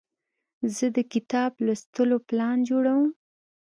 زه د کتاب لوستلو پلان جوړوم.